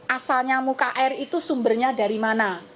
asalnya muka air itu sumbernya dari mana